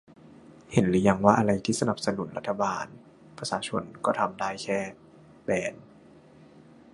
เห็นหรือยังว่าอะไรที่สนับสนุนรัฐบาล ประชาชนก็ทำได้แค่ แบน